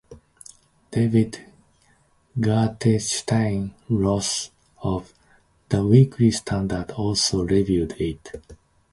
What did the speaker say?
Daveed Gartenstein-Ross of "The Weekly Standard" also reviewed it.